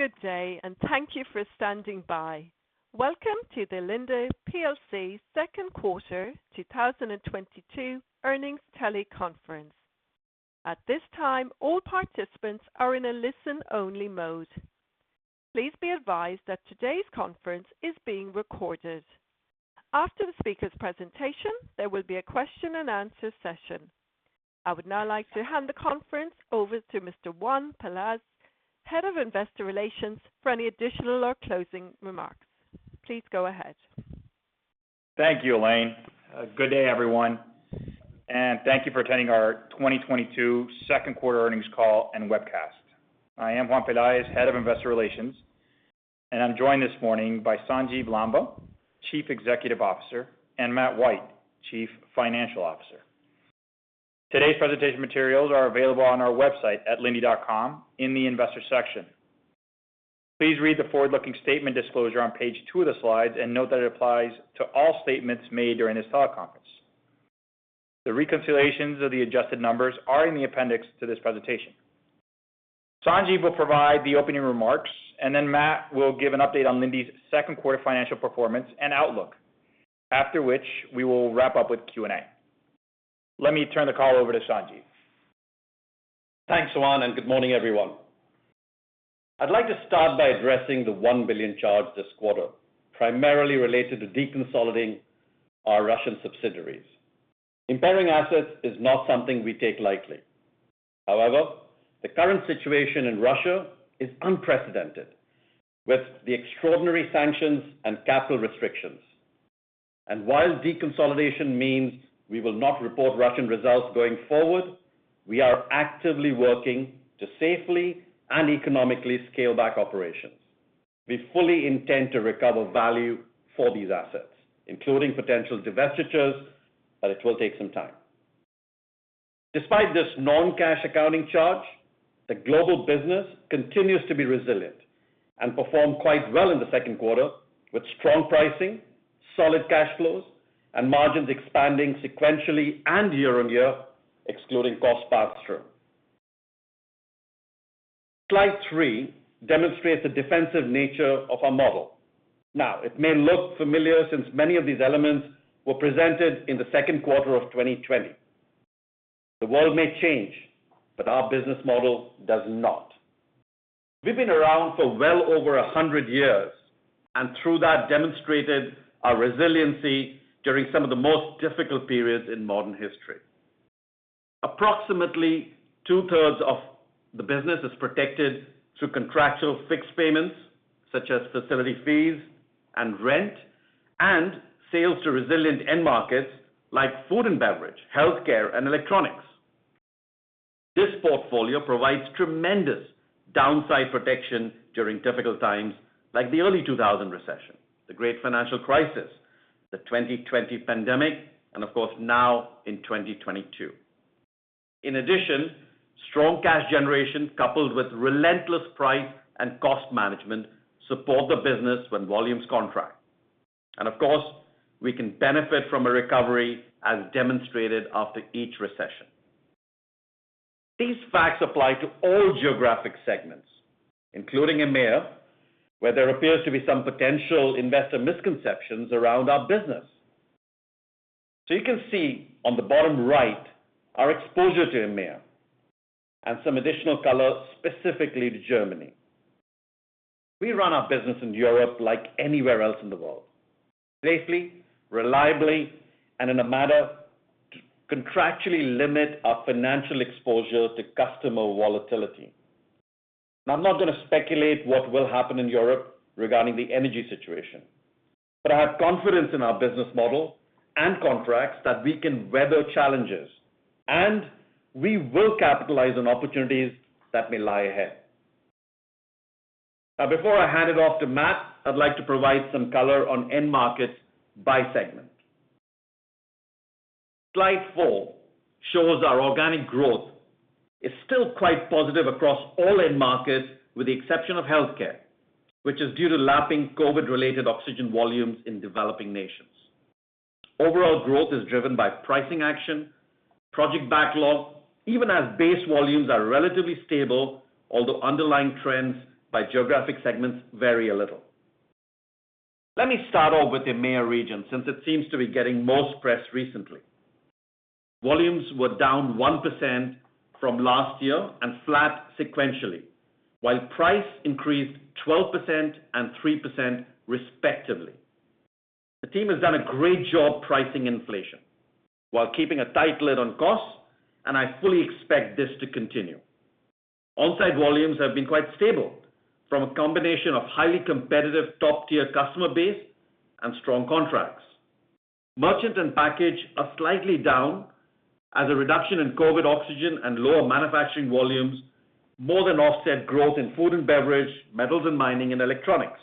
Good day, thank you for standing by. Welcome to the Linde plc Second Quarter 2022 Earnings Teleconference. At this time, all participants are in a listen-only mode. Please be advised that today's conference is being recorded. After the speaker's presentation, there will be a question and answer session. I would now like to hand the conference over to Mr. Juan Peláez, Head of Investor Relations, for any additional or closing remarks. Please go ahead. Thank you, Elaine. Good day, everyone, and thank you for attending our 2022 second quarter earnings call and webcast. I am Juan Peláez, Head of Investor Relations, and I'm joined this morning by Sanjiv Lamba, Chief Executive Officer, and Matt White, Chief Financial Officer. Today's presentation materials are available on our website at linde.com in the investor section. Please read the forward-looking statement disclosure on page two of the slides and note that it applies to all statements made during this teleconference. The reconciliations of the adjusted numbers are in the appendix to this presentation. Sanjiv will provide the opening remarks, and then Matt will give an update on Linde's second quarter financial performance and outlook. After which, we will wrap up with Q&A. Let me turn the call over to Sanjiv. Thanks, Juan Peláez, and good morning, everyone. I'd like to start by addressing the $1 billion charge this quarter, primarily related to deconsolidating our Russian subsidiaries. Impairing assets is not something we take lightly. However, the current situation in Russia is unprecedented with the extraordinary sanctions and capital restrictions. While deconsolidation means we will not report Russian results going forward, we are actively working to safely and economically scale back operations. We fully intend to recover value for these assets, including potential divestitures, but it will take some time. Despite this non-cash accounting charge, the global business continues to be resilient and performed quite well in the second quarter, with strong pricing, solid cash flows, and margins expanding sequentially and year-on-year, excluding cost pass-through. Slide three demonstrates the defensive nature of our model. Now, it may look familiar since many of these elements were presented in the second quarter of 2020. The world may change, but our business model does not. We've been around for well over 100 years, and through that demonstrated our resiliency during some of the most difficult periods in modern history. Approximately 2/3 of the business is protected through contractual fixed payments such as facility fees and rent, and sales to resilient end markets like food and beverage, healthcare, and electronics. This portfolio provides tremendous downside protection during difficult times like the early 2000 recession, the great financial crisis, the 2020 pandemic, and of course now in 2022. In addition, strong cash generation coupled with relentless price and cost management support the business when volumes contract. Of course, we can benefit from a recovery as demonstrated after each recession. These facts apply to all geographic segments, including EMEA, where there appears to be some potential investor misconceptions around our business. You can see on the bottom right, our exposure to EMEA and some additional color specifically to Germany. We run our business in Europe like anywhere else in the world, safely, reliably, and in a manner to contractually limit our financial exposure to customer volatility. I'm not gonna speculate what will happen in Europe regarding the energy situation. I have confidence in our business model and contracts that we can weather challenges, and we will capitalize on opportunities that may lie ahead. Now, before I hand it off to Matt, I'd like to provide some color on end markets by segment. Slide four shows our organic growth is still quite positive across all end markets with the exception of healthcare, which is due to lapping COVID-related oxygen volumes in developing nations. Overall growth is driven by pricing action, project backlog, even as base volumes are relatively stable, although underlying trends by geographic segments vary a little. Let me start off with the EMEA region since it seems to be getting most press recently. Volumes were down 1% from last year and flat sequentially, while price increased 12% and 3%, respectively. The team has done a great job pricing inflation while keeping a tight lid on costs, and I fully expect this to continue. Onsite volumes have been quite stable from a combination of highly competitive top-tier customer base and strong contracts. Merchant and package are slightly down as a reduction in COVID oxygen and lower manufacturing volumes more than offset growth in food and beverage, metals and mining, and electronics.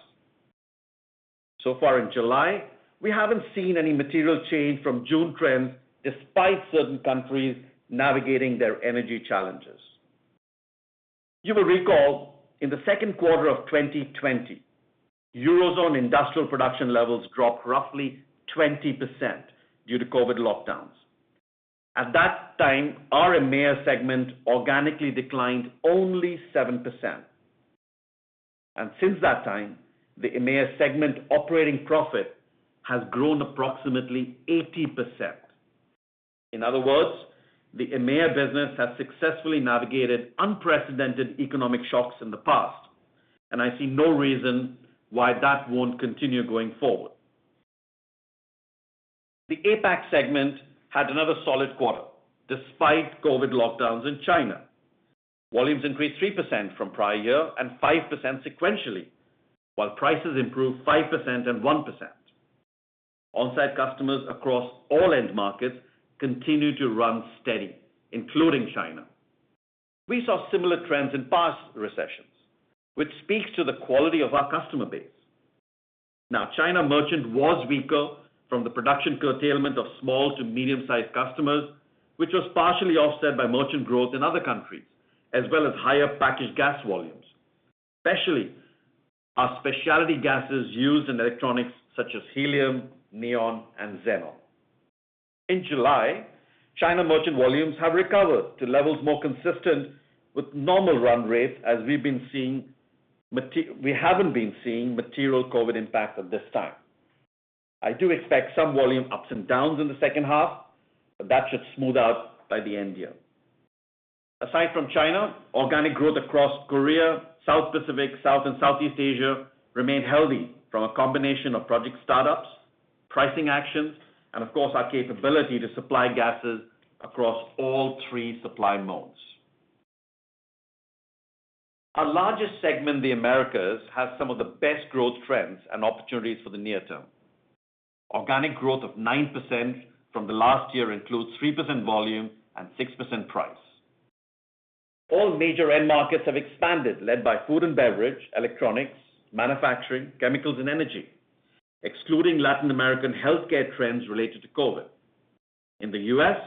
So far in July, we haven't seen any material change from June trends despite certain countries navigating their energy challenges. You will recall in the second quarter of 2020, Eurozone industrial production levels dropped roughly 20% due to COVID lockdowns. At that time, our EMEA segment organically declined only 7%. Since that time, the EMEA segment operating profit has grown approximately 80%. In other words, the EMEA business has successfully navigated unprecedented economic shocks in the past, and I see no reason why that won't continue going forward. The APAC segment had another solid quarter despite COVID lockdowns in China. Volumes increased 3% from prior year and 5% sequentially, while prices improved 5% and 1%. On-site customers across all end markets continue to run steady, including China. We saw similar trends in past recessions, which speaks to the quality of our customer base. China merchant was weaker from the production curtailment of small to medium-sized customers, which was partially offset by merchant growth in other countries, as well as higher packaged gas volumes, especially our specialty gases used in electronics such as helium, neon, and xenon. In July, China merchant volumes have recovered to levels more consistent with normal run rates, as we haven't been seeing material COVID impact at this time. I do expect some volume ups and downs in the second half, but that should smooth out by year-end. Aside from China, organic growth across Korea, South Pacific, South and Southeast Asia remain healthy from a combination of project startups, pricing actions, and of course, our capability to supply gases across all three supply modes. Our largest segment, the Americas, has some of the best growth trends and opportunities for the near term. Organic growth of 9% from the last year includes 3% volume and 6% price. All major end markets have expanded, led by food and beverage, electronics, manufacturing, chemicals, and energy, excluding Latin American healthcare trends related to COVID. In the U.S.,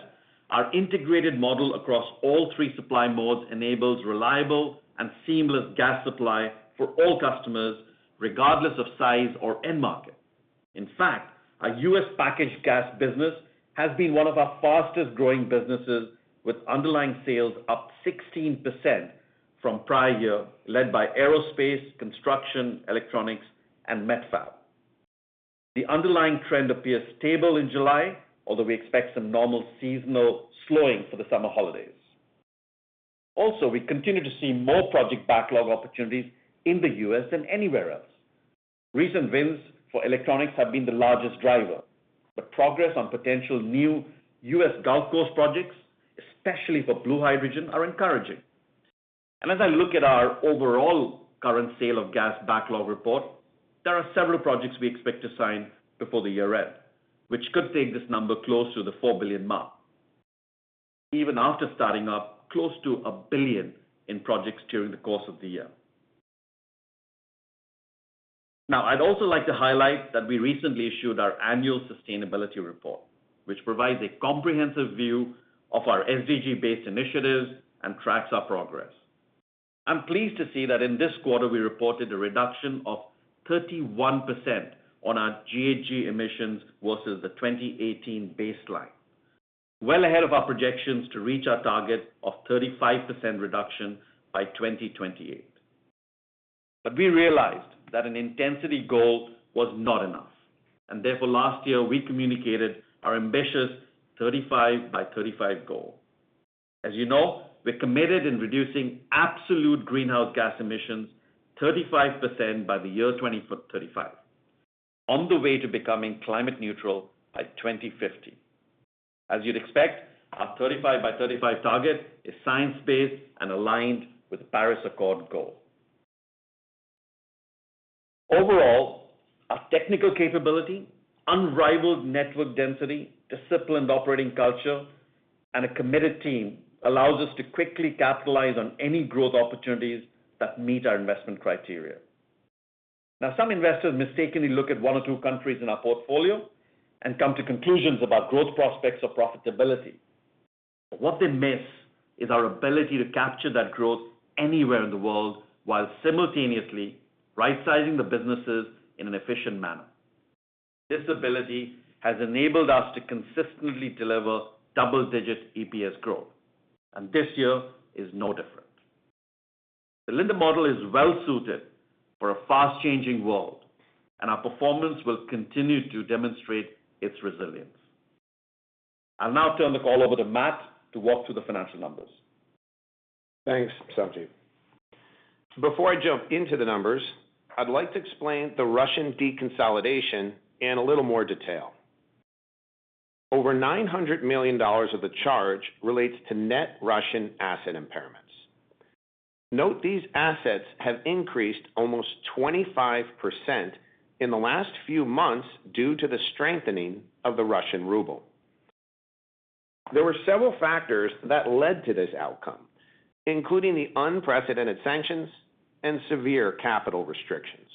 our integrated model across all three supply modes enables reliable and seamless gas supply for all customers, regardless of size or end market. In fact, our U.S. packaged gas business has been one of our fastest-growing businesses, with underlying sales up 16% from prior year, led by aerospace, construction, electronics, and met fab. The underlying trend appears stable in July, although we expect some normal seasonal slowing for the summer holidays. Also, we continue to see more project backlog opportunities in the U.S. than anywhere else. Recent wins for electronics have been the largest driver, but progress on potential new U.S. Gulf Coast projects, especially for blue hydrogen, are encouraging. And as I look at our overall current sale of gas backlog report, there are several projects we expect to sign before the year end, which could take this number close to the $4 billion mark. Even after starting up close to $1 billion in projects during the course of the year. Now, I'd also like to highlight that we recently issued our annual sustainability report, which provides a comprehensive view of our SDG-based initiatives and tracks our progress. I'm pleased to see that in this quarter, we reported a reduction of 31% on our GHG emissions versus the 2018 baseline. Well ahead of our projections to reach our target of 35% reduction by 2028. We realized that an intensity goal was not enough, and therefore last year we communicated our ambitious 35 by 35 goal. As you know, we're committed in reducing absolute greenhouse gas emissions 35% by the year 2035, on the way to becoming climate neutral by 2050. As you'd expect, our 35 by 35 target is science-based and aligned with the Paris Accord goal. Overall, our technical capability, unrivaled network density, disciplined operating culture, and a committed team allows us to quickly capitalize on any growth opportunities that meet our investment criteria. Now, some investors mistakenly look at one or two countries in our portfolio and come to conclusions about growth prospects or profitability. What they miss is our ability to capture that growth anywhere in the world while simultaneously right-sizing the businesses in an efficient manner. This ability has enabled us to consistently deliver double-digit EPS growth, and this year is no different. The Linde model is well suited for a fast-changing world, and our performance will continue to demonstrate its resilience. I'll now turn the call over to Matt to walk through the financial numbers. Thanks, Sanjiv. Before I jump into the numbers, I'd like to explain the Russian deconsolidation in a little more detail. Over $900 million of the charge relates to net Russian asset impairments. Note these assets have increased almost 25% in the last few months due to the strengthening of the Russian ruble. There were several factors that led to this outcome, including the unprecedented sanctions and severe capital restrictions.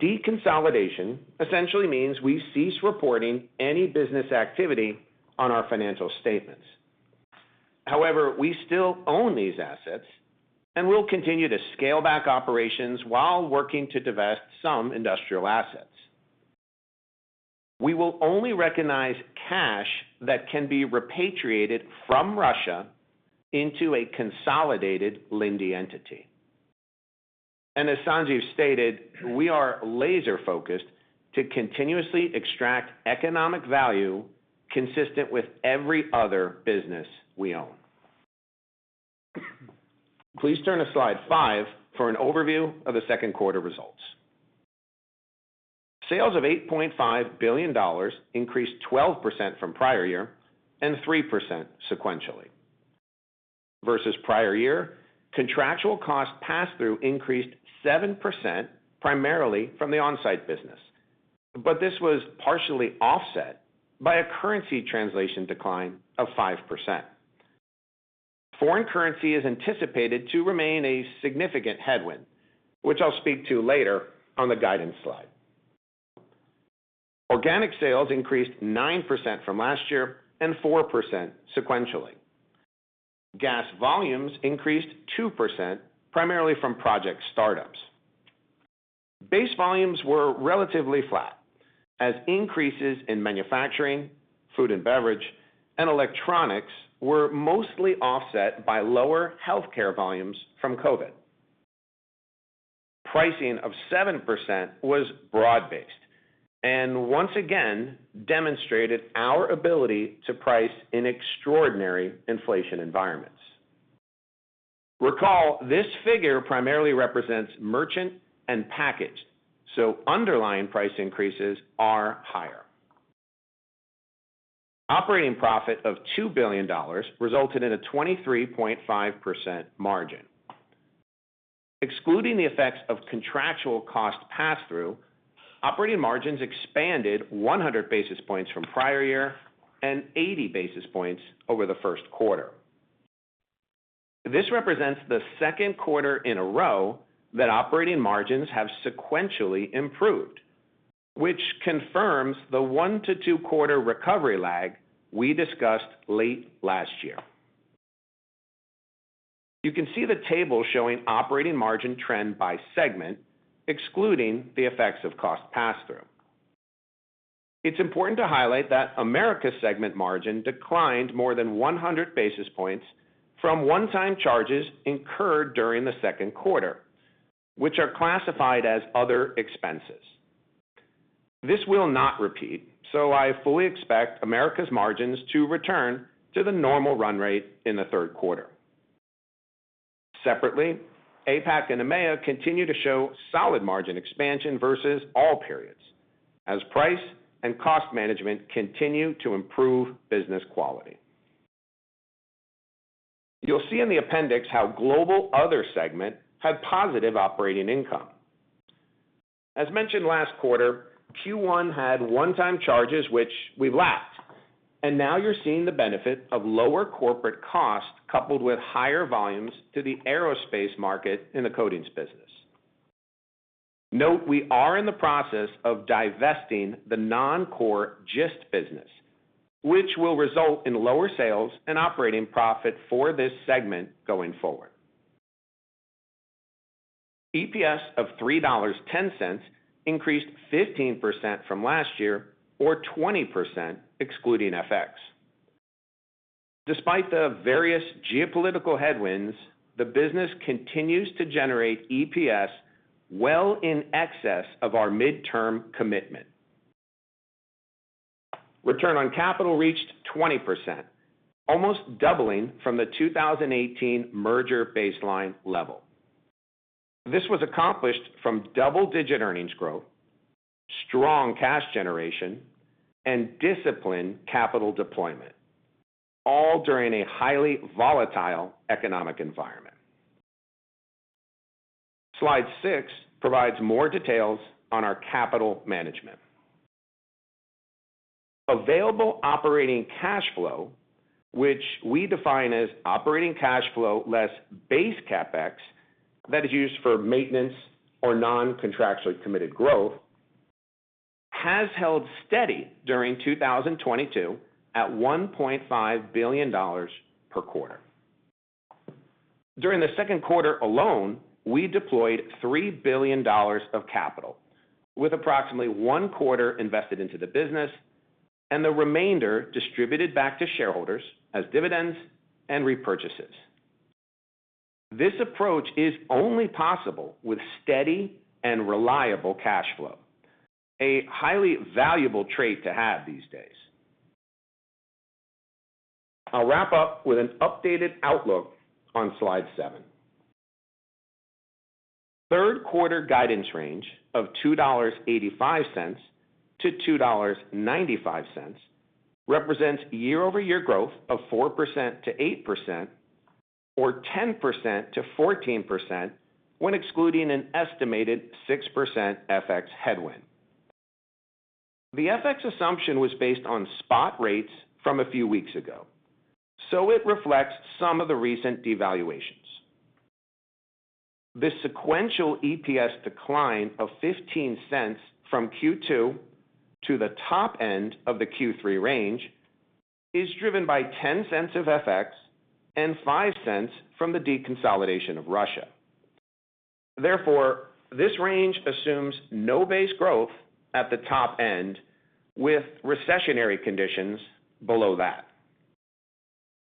Deconsolidation essentially means we cease reporting any business activity on our financial statements. However, we still own these assets, and we'll continue to scale back operations while working to divest some industrial assets. We will only recognize cash that can be repatriated from Russia into a consolidated Linde entity. As Sanjiv stated, we are laser-focused to continuously extract economic value consistent with every other business we own. Please turn to slide five for an overview of the second quarter results. Sales of $8.5 billion increased 12% from prior year and 3% sequentially. Versus prior year, contractual cost pass-through increased 7%, primarily from the on-site business. This was partially offset by a currency translation decline of 5%. Foreign currency is anticipated to remain a significant headwind, which I'll speak to later on the guidance slide. Organic sales increased 9% from last year and 4% sequentially. Gas volumes increased 2% primarily from project startups. Base volumes were relatively flat as increases in manufacturing, food and beverage, and electronics were mostly offset by lower healthcare volumes from COVID. Pricing of 7% was broad-based and once again demonstrated our ability to price in extraordinary inflation environments. Recall, this figure primarily represents merchant and package, so underlying price increases are higher. Operating profit of $2 billion resulted in a 23.5% margin. Excluding the effects of contractual cost pass-through, operating margins expanded 100 basis points from prior year and 80 basis points over the first quarter. This represents the second quarter in a row that operating margins have sequentially improved, which confirms the one to two-quarter recovery lag we discussed late last year. You can see the table showing operating margin trend by segment, excluding the effects of cost pass-through. It's important to highlight that Americas segment margin declined more than 100 basis points from one-time charges incurred during the second quarter, which are classified as other expenses. This will not repeat, so I fully expect Americas' margins to return to the normal run rate in the third quarter. Separately, APAC and EMEA continue to show solid margin expansion versus all periods as price and cost management continue to improve business quality. You'll see in the appendix how global other segment had positive operating income. As mentioned last quarter, Q1 had one-time charges which we lacked, and now you're seeing the benefit of lower corporate costs coupled with higher volumes to the aerospace market in the coatings business. Note we are in the process of divesting the non-core Gist business, which will result in lower sales and operating profit for this segment going forward. EPS of $3.10 increased 15% from last year or 20% excluding FX. Despite the various geopolitical headwinds, the business continues to generate EPS well in excess of our midterm commitment. Return on capital reached 20%, almost doubling from the 2018 merger baseline level. This was accomplished from double-digit earnings growth, strong cash generation, and disciplined capital deployment, all during a highly volatile economic environment. Slide six provides more details on our capital management. Available operating cash flow, which we define as operating cash flow less base CapEx that is used for maintenance or non-contractually committed growth, has held steady during 2022 at $1.5 billion per quarter. During the second quarter alone, we deployed $3 billion of capital, with approximately 1/4 invested into the business and the remainder distributed back to shareholders as dividends and repurchases. This approach is only possible with steady and reliable cash flow, a highly valuable trait to have these days. I'll wrap up with an updated outlook on slide seven. Third quarter guidance range of $2.85-$2.95 represents year-over-year growth of 4%-8% or 10%-14% when excluding an estimated 6% FX headwind. The FX assumption was based on spot rates from a few weeks ago, so it reflects some of the recent devaluations. The sequential EPS decline of $0.15 from Q2 to the top end of the Q3 range is driven by $0.10 of FX and $0.05 from the deconsolidation of Russia. Therefore, this range assumes no base growth at the top end, with recessionary conditions below that.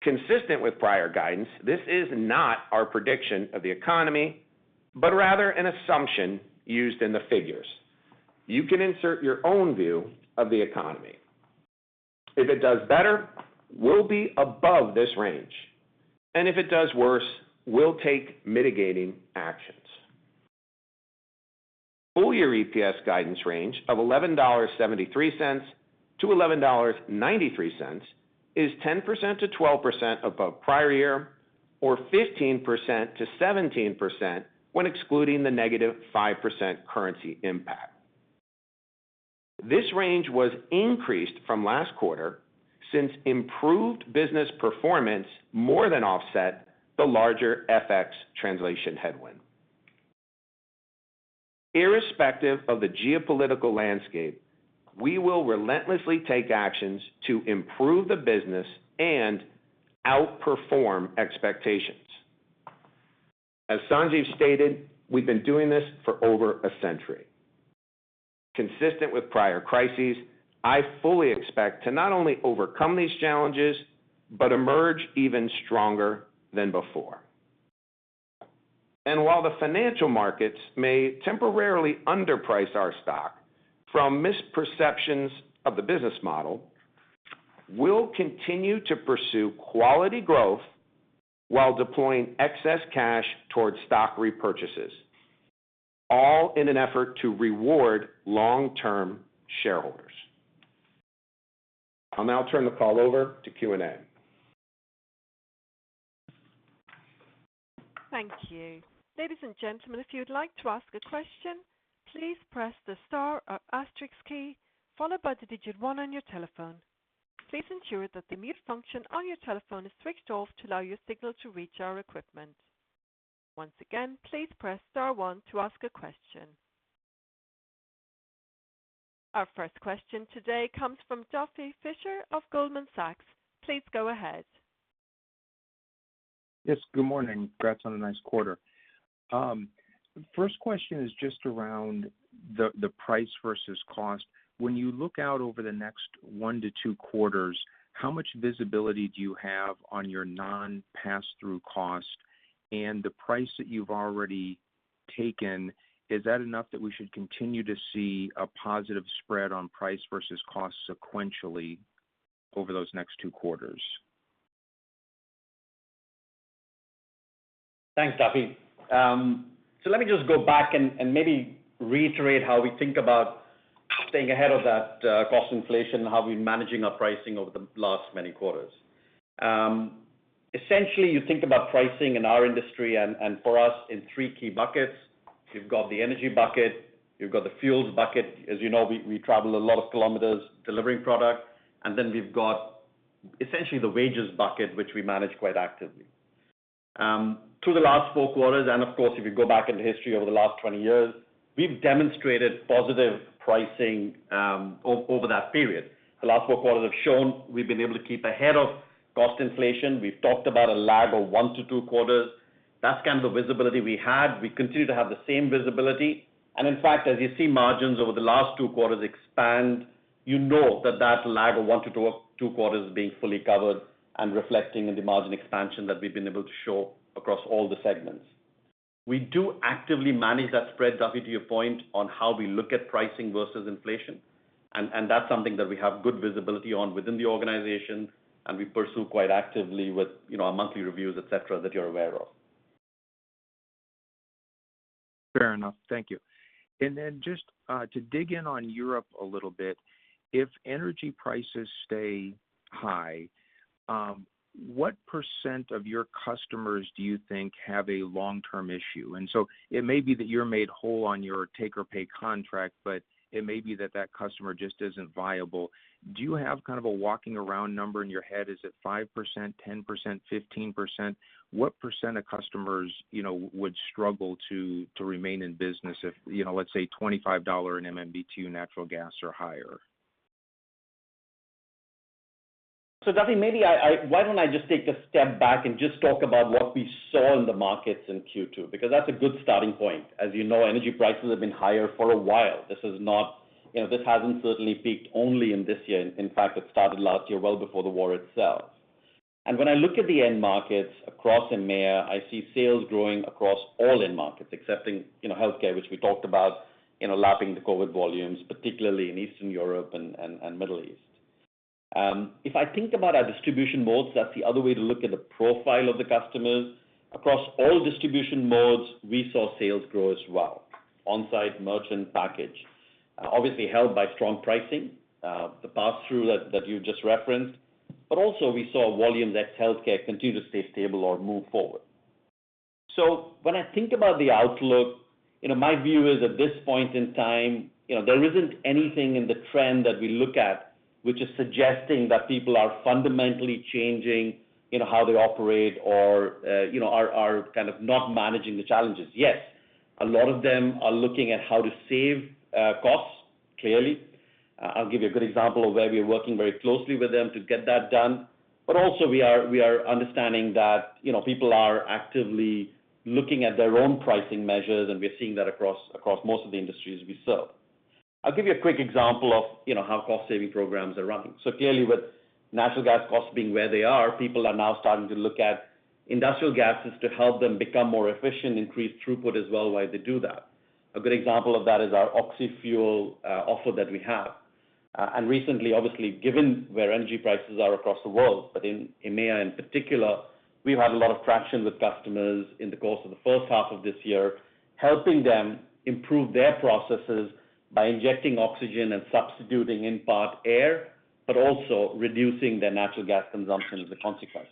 Consistent with prior guidance, this is not our prediction of the economy, but rather an assumption used in the figures. You can insert your own view of the economy. If it does better, we'll be above this range, and if it does worse, we'll take mitigating actions. Full year EPS guidance range of $11.73-$11.93 is 10%-12% above prior year or 15%-17% when excluding the -5% currency impact. This range was increased from last quarter since improved business performance more than offset the larger FX translation headwind. Irrespective of the geopolitical landscape, we will relentlessly take actions to improve the business and outperform expectations. As Sanjiv stated, we've been doing this for over a century. Consistent with prior crises, I fully expect to not only overcome these challenges but emerge even stronger than before. While the financial markets may temporarily underprice our stock from misperceptions of the business model, we'll continue to pursue quality growth while deploying excess cash towards stock repurchases, all in an effort to reward long-term shareholders. I'll now turn the call over to Q&A. Thank you. Ladies and gentlemen, if you'd like to ask a question, please press the star or asterisk key followed by the digit one on your telephone. Please ensure that the mute function on your telephone is switched off to allow your signal to reach our equipment. Once again, please press star one to ask a question. Our first question today comes from Duffy Fischer of Goldman Sachs. Please go ahead. Yes, good morning. Congrats on a nice quarter. First question is just around the price versus cost. When you look out over the next one to two quarters, how much visibility do you have on your non-passthrough cost and the price that you've already taken? Is that enough that we should continue to see a positive spread on price versus cost sequentially over those next two quarters? Thanks, Duffy. So let me just go back and maybe reiterate how we think about staying ahead of that cost inflation, how we're managing our pricing over the last many quarters. Essentially, you think about pricing in our industry and for us in three key buckets. You've got the energy bucket. You've got the fuels bucket. As you know, we travel a lot of kilometers delivering product. Then we've got essentially the wages bucket, which we manage quite actively. Through the last four quarters and of course if you go back in history over the last 20 years, we've demonstrated positive pricing over that period. The last four quarters have shown we've been able to keep ahead of cost inflation. We've talked about a lag of one to two quarters. That's kind of the visibility we had. We continue to have the same visibility. In fact, as you see margins over the last two quarters expand, you know that that lag of one to two quarters is being fully covered and reflecting in the margin expansion that we've been able to show across all the segments. We do actively manage that spread, Duffy, to your point on how we look at pricing versus inflation, and that's something that we have good visibility on within the organization and we pursue quite actively with, you know, our monthly reviews, et cetera, that you're aware of. Fair enough. Thank you. Just to dig in on Europe a little bit, if energy prices stay high, what percent of your customers do you think have a long-term issue? It may be that you're made whole on your take-or-pay contract, but it may be that that customer just isn't viable. Do you have kind of a walking around number in your head? Is it 5%, 10%, 15%? What percent of customers, you know, would struggle to remain in business if, you know, let's say $25 in MMBtu natural gas or higher? Duffy, why don't I just take a step back and just talk about what we saw in the markets in Q2? Because that's a good starting point. As you know, energy prices have been higher for a while. This is not, you know, this hasn't certainly peaked only in this year. In fact, it started last year, well before the war itself. When I look at the end markets across EMEA, I see sales growing across all end markets, excepting, you know, healthcare, which we talked about, you know, lapping the COVID volumes, particularly in Eastern Europe and Middle East. If I think about our distribution modes, that's the other way to look at the profile of the customers. Across all distribution modes, we saw sales grow as well. On-site merchant package, obviously helped by strong pricing, the pass-through that you just referenced, but also we saw volumes at healthcare continue to stay stable or move forward. When I think about the outlook. You know, my view is at this point in time, you know, there isn't anything in the trend that we look at which is suggesting that people are fundamentally changing, you know, how they operate or, you know, are kind of not managing the challenges. Yes, a lot of them are looking at how to save costs, clearly. I'll give you a good example of where we are working very closely with them to get that done. Also we are understanding that, you know, people are actively looking at their own pricing measures, and we are seeing that across most of the industries we serve. I'll give you a quick example of, you know, how cost-saving programs are running. Clearly, with natural gas costs being where they are, people are now starting to look at industrial gases to help them become more efficient, increase throughput as well while they do that. A good example of that is our oxy-fuel offer that we have. Recently, obviously, given where energy prices are across the world, but in EMEA in particular, we've had a lot of traction with customers in the course of the first half of this year, helping them improve their processes by injecting oxygen and substituting, in part, air, but also reducing their natural gas consumption as a consequence.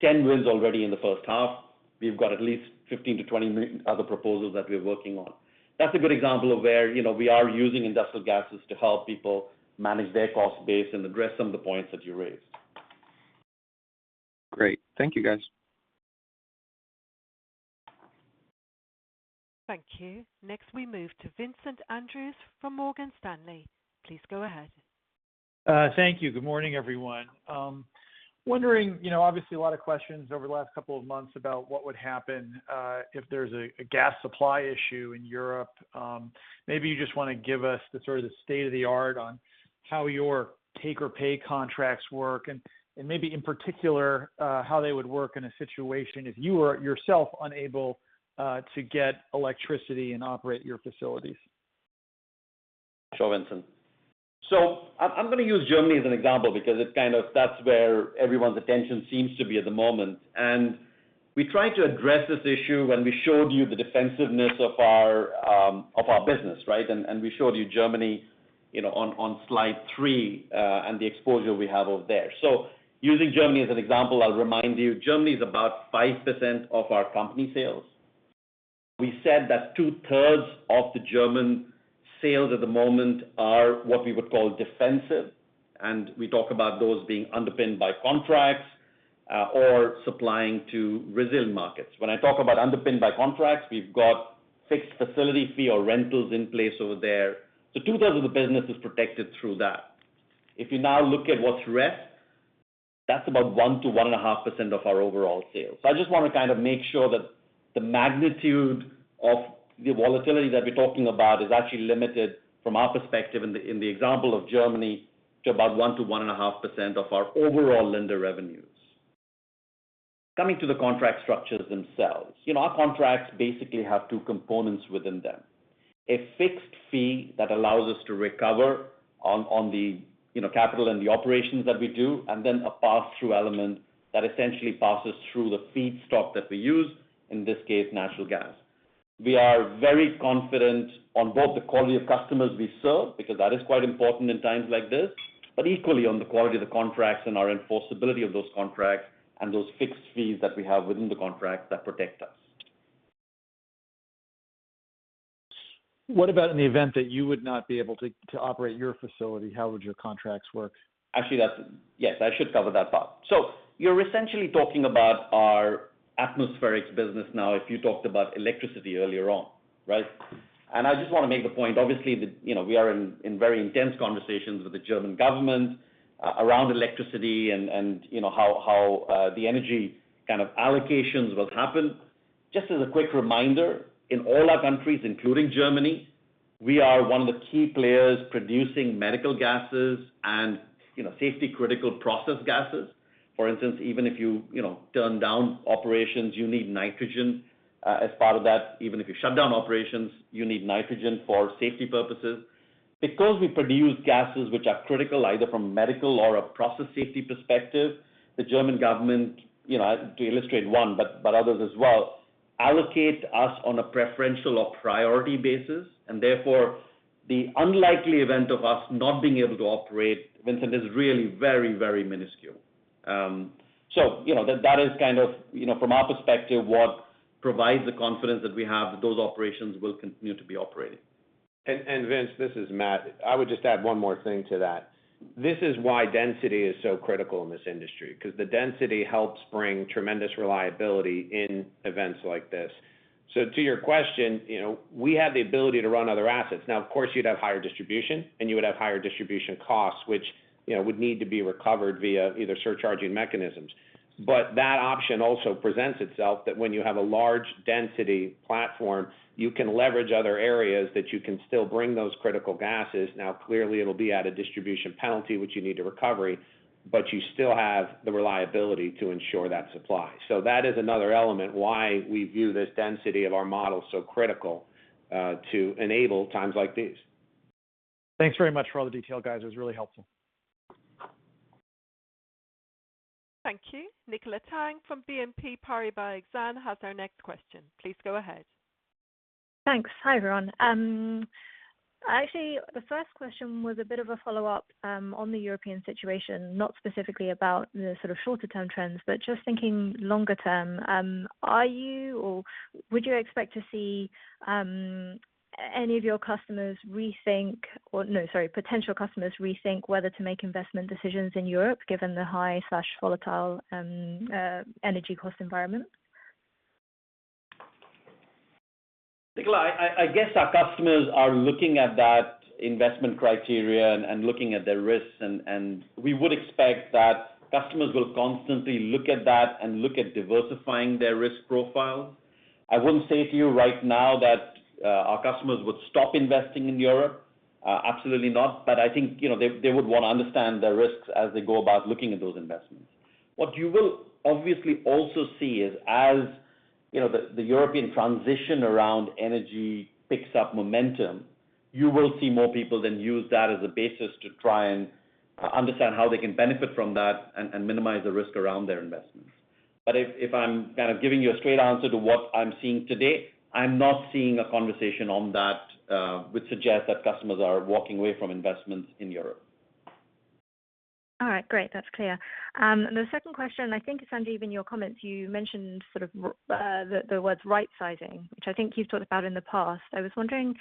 10 wins already in the first half. We've got at least 15-20 other proposals that we are working on. That's a good example of where, you know, we are using industrial gases to help people manage their cost base and address some of the points that you raised. Great. Thank you, guys. Thank you. Next, we move to Vincent Andrews from Morgan Stanley. Please go ahead. Thank you. Good morning, everyone. Wondering, you know, obviously a lot of questions over the last couple of months about what would happen if there's a gas supply issue in Europe. Maybe you just wanna give us the sort of the state-of-the-art on how your take-or-pay contracts work and maybe in particular how they would work in a situation if you were yourself unable to get electricity and operate your facilities. Sure, Vincent. I'm gonna use Germany as an example because it kind of, that's where everyone's attention seems to be at the moment. We tried to address this issue when we showed you the defensiveness of our business, right? We showed you Germany, you know, on slide three, and the exposure we have over there. Using Germany as an example, I'll remind you, Germany is about 5% of our company sales. We said that 2/3 of the German sales at the moment are what we would call defensive, and we talk about those being underpinned by contracts, or supplying to resilient markets. When I talk about underpinned by contracts, we've got fixed facility fee or rentals in place over there. 2/3 of the business is protected through that. If you now look at what's left, that's about 1%-1.5% of our overall sales. I just wanna kind of make sure that the magnitude of the volatility that we're talking about is actually limited from our perspective in the example of Germany, to about 1%-1.5% of our overall Linde revenues. Coming to the contract structures themselves. You know, our contracts basically have two components within them. A fixed fee that allows us to recover on the, you know, capital and the operations that we do, and then a pass-through element that essentially passes through the feedstock that we use, in this case, natural gas. We are very confident on both the quality of customers we serve, because that is quite important in times like this, but equally on the quality of the contracts and our enforceability of those contracts and those fixed fees that we have within the contracts that protect us. What about in the event that you would not be able to operate your facility? How would your contracts work? Actually, that's. Yes, I should cover that part. You're essentially talking about our Atmospherics business now, if you talked about electricity earlier on, right? I just wanna make the point, obviously, that, you know, we are in very intense conversations with the German government around electricity and, you know, how the energy kind of allocations will happen. Just as a quick reminder, in all our countries, including Germany, we are one of the key players producing medical gases and, you know, safety-critical process gases. For instance, even if you know, turn down operations, you need nitrogen as part of that. Even if you shut down operations, you need nitrogen for safety purposes. Because we produce gases which are critical either from a medical or a process safety perspective, the German government, you know, to illustrate one, but others as well, allocate us on a preferential or priority basis. Therefore, the unlikely event of us not being able to operate, Vincent, is really very, very minuscule. You know, that is kind of, you know, from our perspective, what provides the confidence that we have that those operations will continue to be operating. Vince, this is Matt. I would just add one more thing to that. This is why density is so critical in this industry, 'cause the density helps bring tremendous reliability in events like this. To your question, you know, we have the ability to run other assets. Now, of course, you'd have higher distribution, and you would have higher distribution costs, which, you know, would need to be recovered via either surcharging mechanisms. That option also presents itself, that when you have a large density platform, you can leverage other areas that you can still bring those critical gases. Now, clearly, it'll be at a distribution penalty, which you need to recover, but you still have the reliability to ensure that supply. That is another element why we view this density of our model so critical to enable times like these. Thanks very much for all the detail, guys. It was really helpful. Thank you. Nicola Tang from BNP Paribas Exane has our next question. Please go ahead. Thanks. Hi, everyone. Actually, the first question was a bit of a follow-up on the European situation, not specifically about the sort of shorter term trends, but just thinking longer term. Are you or would you expect to see any of your potential customers rethink whether to make investment decisions in Europe, given the high volatile energy cost environment? Nicola, I guess our customers are looking at that investment criteria and looking at their risks, and we would expect that customers will constantly look at that and look at diversifying their risk profile. I wouldn't say to you right now that our customers would stop investing in Europe. Absolutely not. But I think, you know, they would wanna understand their risks as they go about looking at those investments. What you will obviously also see is, as you know, the European transition around energy picks up momentum, you will see more people then use that as a basis to try and understand how they can benefit from that and minimize the risk around their investments. If I'm kind of giving you a straight answer to what I'm seeing today, I'm not seeing a conversation on that, which suggests that customers are walking away from investments in Europe. All right, great. That's clear. The second question, I think, Sanjiv, in your comments, you mentioned sort of the words rightsizing, which I think you've talked about in the past. I was wondering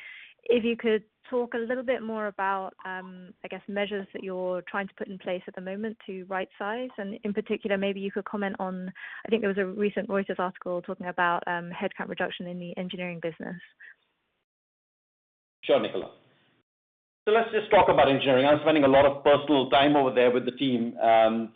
if you could talk a little bit more about, I guess, measures that you're trying to put in place at the moment to rightsize. In particular, maybe you could comment on, I think there was a recent Reuters article talking about headcount reduction in the engineering business. Sure, Nicola. Let's just talk about engineering. I'm spending a lot of personal time over there with the team. I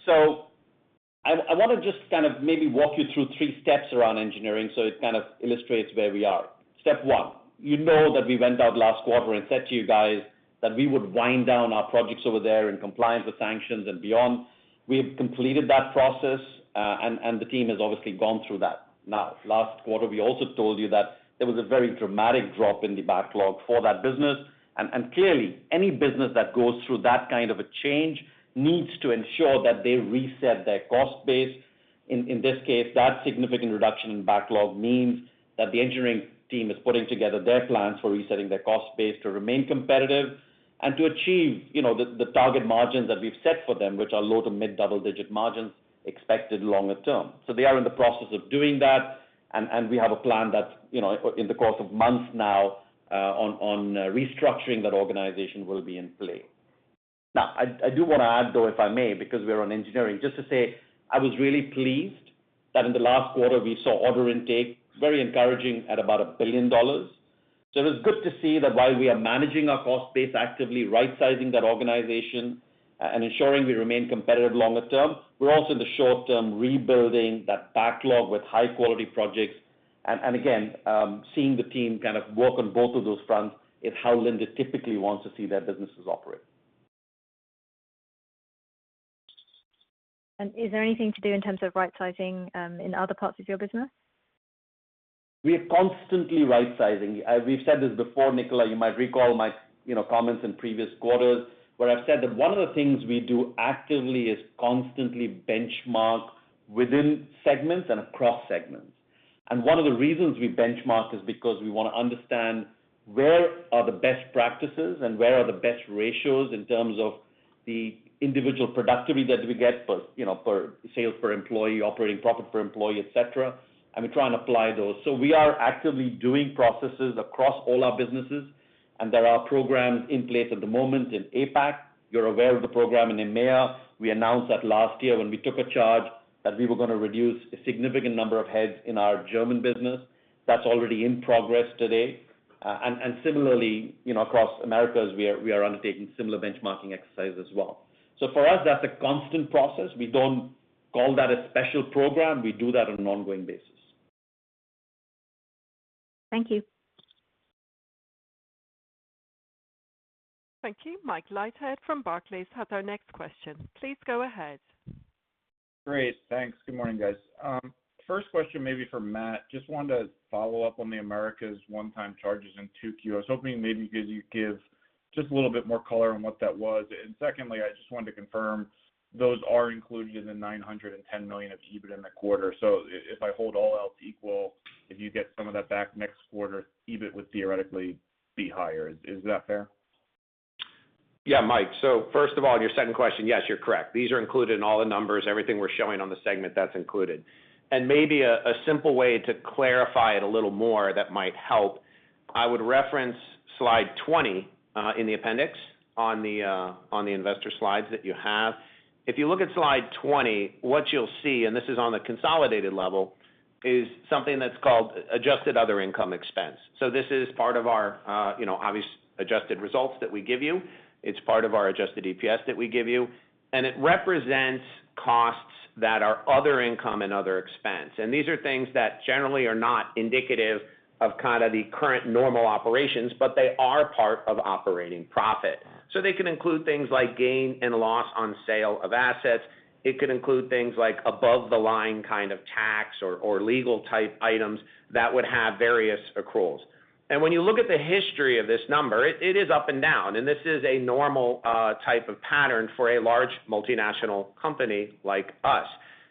wanna just kind of maybe walk you through three steps around engineering, so it kind of illustrates where we are. Step one: You know that we went out last quarter and said to you guys that we would wind down our projects over there in compliance with sanctions and beyond. We have completed that process, and the team has obviously gone through that now. Last quarter, we also told you that there was a very dramatic drop in the backlog for that business. Clearly, any business that goes through that kind of a change needs to ensure that they reset their cost base. In this case, that significant reduction in backlog means that the engineering team is putting together their plans for resetting their cost base to remain competitive and to achieve you know the target margins that we've set for them, which are low to mid-double digit margins expected longer term. They are in the process of doing that, and we have a plan that you know in the course of months now on restructuring that organization will be in play. I do wanna add though if I may because we're on engineering just to say I was really pleased that in the last quarter we saw order intake very encouraging at about $1 billion. It was good to see that while we are managing our cost base, actively rightsizing that organization, and ensuring we remain competitive longer term, we're also in the short term, rebuilding that backlog with high-quality projects. Again, seeing the team kind of work on both of those fronts is how Linde typically wants to see their businesses operate. Is there anything to do in terms of rightsizing, in other parts of your business? We are constantly rightsizing. We've said this before, Nicola. You might recall my, you know, comments in previous quarters, where I've said that one of the things we do actively is constantly benchmark within segments and across segments. One of the reasons we benchmark is because we wanna understand where are the best practices and where are the best ratios in terms of the individual productivity that we get for, you know, for sales per employee, operating profit per employee, et cetera, and we try and apply those. We are actively doing processes across all our businesses, and there are programs in place at the moment in APAC. You're aware of the program in EMEA. We announced that last year when we took a charge that we were gonna reduce a significant number of heads in our German business. That's already in progress today. Similarly, you know, across Americas, we are undertaking similar benchmarking exercises as well. For us, that's a constant process. We don't call that a special program. We do that on an ongoing basis. Thank you. Thank you. Mike Leithead from Barclays has our next question. Please go ahead. Great. Thanks. Good morning, guys. First question may be for Matt. Just wanted to follow up on the Americas' one-time charges in 2Q. I was hoping maybe could you give just a little bit more color on what that was. Secondly, I just wanted to confirm those are included in the $910 million of EBIT in the quarter. If I hold all else equal, if you get some of that back next quarter, EBIT would theoretically be higher. Is that fair? Yeah, Mike. First of all, your second question, yes, you're correct. These are included in all the numbers. Everything we're showing on the segment, that's included. Maybe a simple way to clarify it a little more that might help, I would reference slide 20 in the appendix on the investor slides that you have. If you look at slide 20, what you'll see, and this is on the consolidated level, is something that's called adjusted other income expense. This is part of our, you know, obvious adjusted results that we give you. It's part of our Adjusted EPS that we give you. It represents costs that are other income and other expense. These are things that generally are not indicative of kinda the current normal operations, but they are part of operating profit. They can include things like gain and loss on sale of assets. It could include things like above-the-line kind of tax or legal type items that would have various accruals. When you look at the history of this number, it is up and down, and this is a normal type of pattern for a large multinational company like us.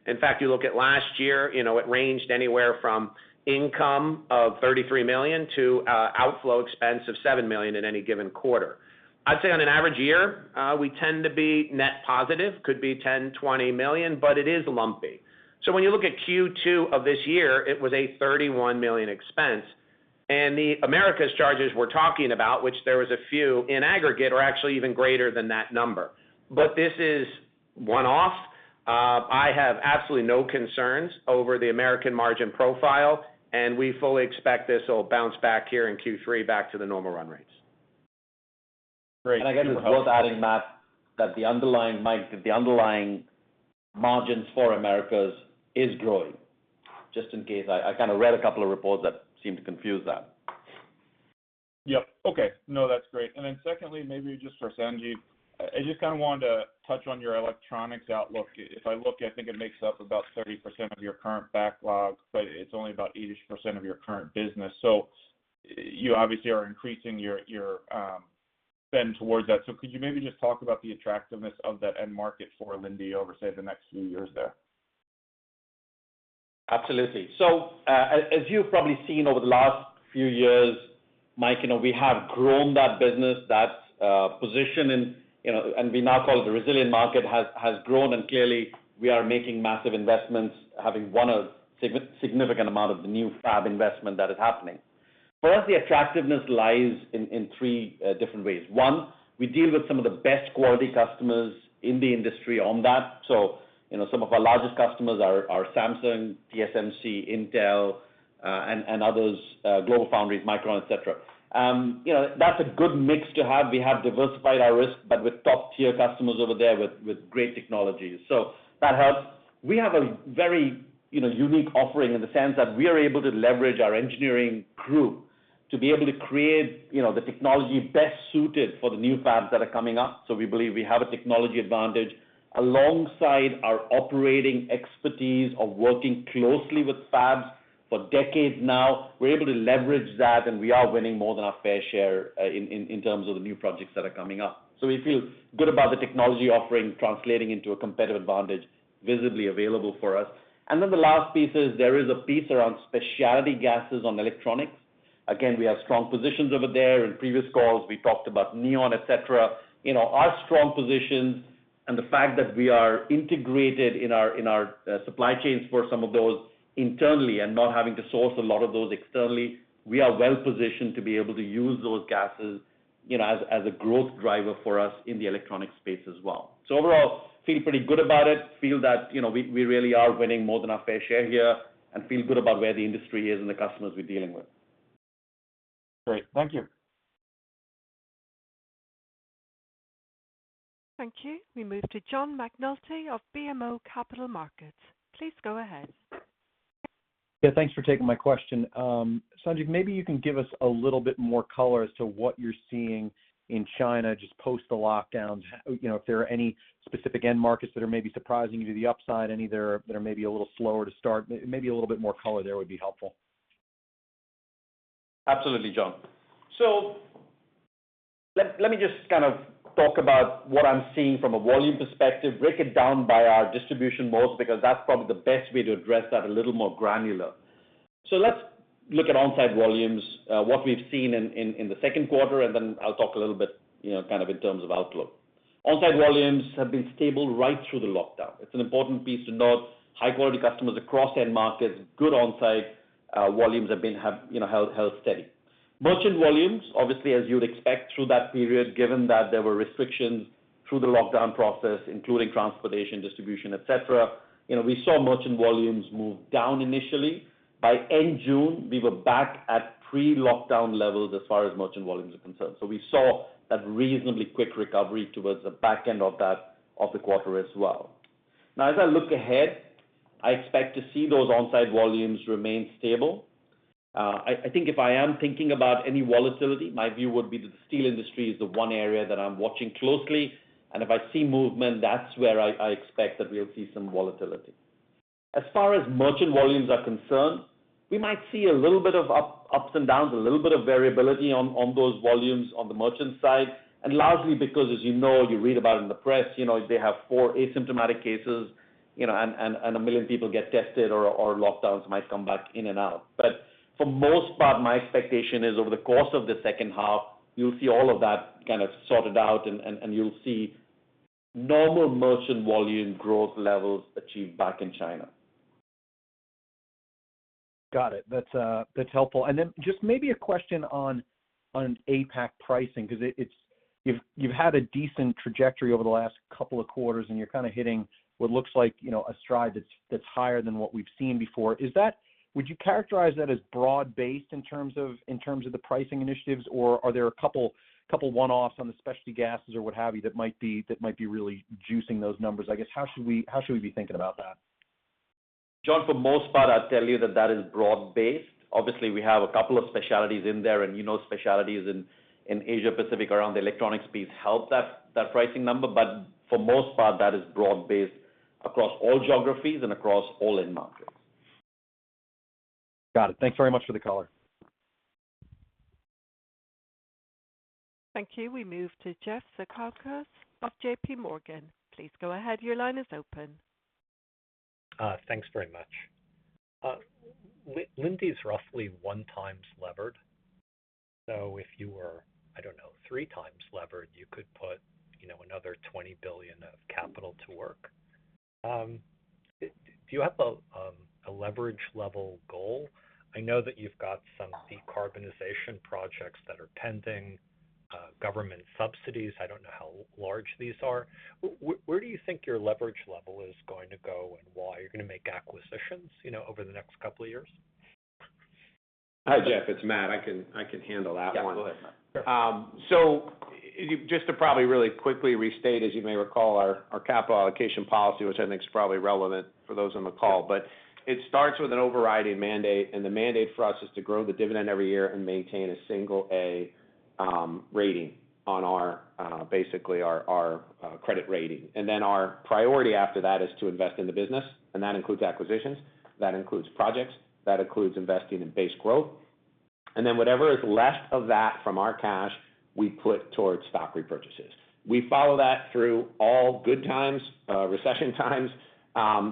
In fact, you look at last year, you know, it ranged anywhere from income of $33 million to outflow expense of $7 million in any given quarter. I'd say on an average year, we tend to be net positive, could be $10 million, $20 million, but it is lumpy. When you look at Q2 of this year, it was a $31 million expense. The Americas charges we're talking about, which there was a few in aggregate, are actually even greater than that number. This is one-off. I have absolutely no concerns over the American margin profile, and we fully expect this will bounce back here in Q3 back to the normal run rates. Great. Again, just worth adding, Matt, that the underlying mix, the underlying margins for Americas is growing. Just in case, I kind of read a couple of reports that seemed to confuse that. Yeah. Okay. No, that's great. Secondly, maybe just for Sanjiv, I just kinda wanted to touch on your electronics outlook. If I look, I think it makes up about 30% of your current backlog, but it's only about 80% of your current business. You obviously are increasing your spend towards that. Could you maybe just talk about the attractiveness of that end market for Linde over, say, the next few years there? Absolutely. As you've probably seen over the last few years, Mike, you know, we have grown that business, that position in, you know, and we now call the resilient market has grown, and clearly we are making massive investments, having won a significant amount of the new fab investment that is happening. For us, the attractiveness lies in three different ways. One, we deal with some of the best quality customers in the industry on that. You know, some of our largest customers are Samsung, TSMC, Intel, and others, GlobalFoundries, Micron, et cetera. That's a good mix to have. We have diversified our risk, but with top-tier customers over there with great technologies. That helps. We have a very, you know, unique offering in the sense that we are able to leverage our engineering group to be able to create, you know, the technology best suited for the new fabs that are coming up. We believe we have a technology advantage alongside our operating expertise of working closely with fabs for decades now. We're able to leverage that, and we are winning more than our fair share in terms of the new projects that are coming up. We feel good about the technology offering translating into a competitive advantage visibly available for us. The last piece is there is a piece around specialty gases on electronics. Again, we have strong positions over there. In previous calls, we talked about neon, et cetera. You know, our strong positions and the fact that we are integrated in our supply chains for some of those internally and not having to source a lot of those externally, we are well positioned to be able to use those gases, you know, as a growth driver for us in the electronic space as well. Overall, feel pretty good about it. Feel that, you know, we really are winning more than our fair share here, and feel good about where the industry is and the customers we're dealing with. Great. Thank you. Thank you. We move to John McNulty of BMO Capital Markets. Please go ahead. Yeah, thanks for taking my question. Sanjiv, maybe you can give us a little bit more color as to what you're seeing in China just post the lockdowns. You know, if there are any specific end markets that are maybe surprising you to the upside, any that are maybe a little slower to start. Maybe a little bit more color there would be helpful. Absolutely, John. Let me just kind of talk about what I'm seeing from a volume perspective, break it down by our distribution models, because that's probably the best way to address that a little more granular. Let's look at on-site volumes, what we've seen in the second quarter, and then I'll talk a little bit, you know, kind of in terms of outlook. On-site volumes have been stable right through the lockdown. It's an important piece to note. High-quality customers across end markets, good on-site volumes have, you know, held steady. Merchant volumes, obviously, as you'd expect through that period, given that there were restrictions through the lockdown process, including transportation, distribution, et cetera. You know, we saw merchant volumes move down initially. By end June, we were back at pre-lockdown levels as far as merchant volumes are concerned. We saw that reasonably quick recovery towards the back end of that, of the quarter as well. Now as I look ahead, I expect to see those on-site volumes remain stable. I think if I am thinking about any volatility, my view would be that the steel industry is the one area that I'm watching closely, and if I see movement, that's where I expect that we'll see some volatility. As far as merchant volumes are concerned, we might see a little bit of ups and downs, a little bit of variability on those volumes on the merchant side. Largely because as you know, you read about it in the press, you know, they have four asymptomatic cases, you know, and 1 million people get tested or lockdowns might come back in and out. For most part, my expectation is over the course of the second half, you'll see all of that kind of sorted out and you'll see normal merchant volume growth levels achieved back in China. Got it. That's helpful. Just maybe a question on APAC pricing, 'cause it's you've had a decent trajectory over the last couple of quarters, and you're kinda hitting what looks like, you know, a stride that's higher than what we've seen before. Would you characterize that as broad based in terms of the pricing initiatives, or are there a couple one-offs on the specialty gases or what have you that might be really juicing those numbers? I guess, how should we be thinking about that? John, for the most part, I'd tell you that is broad-based. Obviously, we have a couple of specialties in there, and you know, specialties in Asia Pacific around the electronics space help that pricing number. For the most part, that is broad-based across all geographies and across all end markets. Got it. Thanks very much for the color. Thank you. We move to Jeff Zekauskas of JPMorgan. Please go ahead. Your line is open. Thanks very much. Linde is roughly 1x levered. If you were, I don't know, three times levered, you could put, you know, another $20 billion of capital to work. Do you have a leverage level goal? I know that you've got some decarbonization projects that are pending government subsidies. I don't know how large these are. Where do you think your leverage level is going to go and why you're gonna make acquisitions, you know, over the next couple of years? Hi, Jeff, it's Matt. I can handle that one. Yeah. Go ahead, Matt. Sure. Just to probably really quickly restate, as you may recall, our capital allocation policy, which I think is probably relevant for those on the call, but it starts with an overriding mandate, and the mandate for us is to grow the dividend every year and maintain a single A rating on our basically our credit rating. Then our priority after that is to invest in the business, and that includes acquisitions, that includes projects, that includes investing in base growth. Then whatever is left of that from our cash, we put towards stock repurchases. We follow that through all good times, recession times,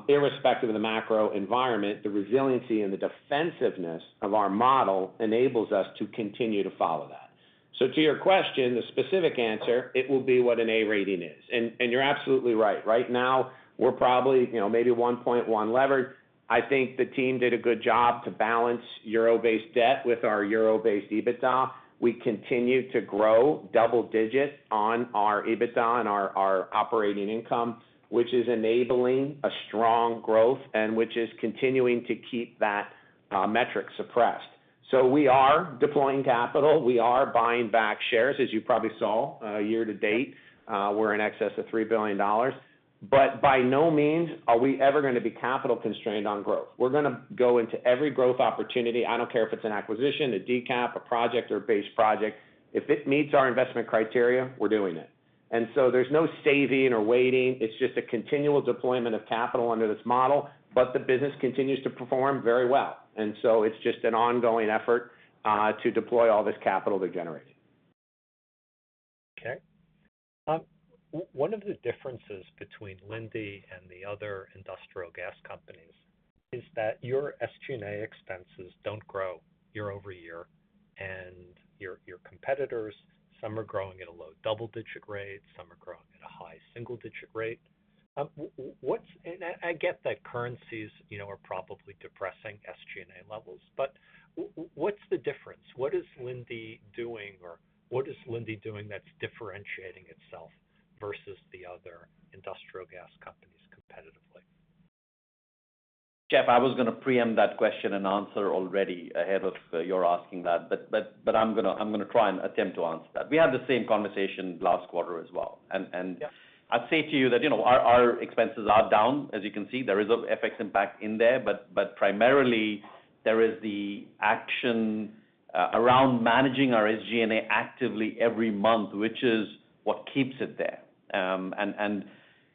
irrespective of the macro environment, the resiliency and the defensiveness of our model enables us to continue to follow that. To your question, the specific answer, it will be what an A rating is. You're absolutely right. Right now, we're probably maybe 1.1x levered. I think the team did a good job to balance euro-based debt with our euro-based EBITDA. We continue to grow double digit on our EBITDA and our operating income, which is enabling a strong growth and which is continuing to keep that metric suppressed. We are deploying capital. We are buying back shares, as you probably saw, year-to-date, we're in excess of $3 billion. By no means are we ever gonna be capital constrained on growth. We're gonna go into every growth opportunity, I don't care if it's an acquisition, a DCF, a project or a base project. If it meets our investment criteria, we're doing it. There's no saving or waiting. It's just a continual deployment of capital under this model, but the business continues to perform very well. It's just an ongoing effort to deploy all this capital we're generating. Okay. One of the differences between Linde and the other industrial gas companies is that your SG&A expenses don't grow year-over-year, and your competitors, some are growing at a low double-digit rate, some are growing at a high single-digit rate. I get that currencies, you know, are probably depressing SG&A levels, but what's the difference? What is Linde doing that's differentiating itself versus the other industrial gas companies competitively? Jeff, I was gonna preempt that question and answer already ahead of your asking that, but I'm gonna try and attempt to answer that. We had the same conversation last quarter as well. Yeah. I'd say to you that, you know, our expenses are down, as you can see. There is a FX impact in there, but primarily there is the action around managing our SG&A actively every month, which is what keeps it there.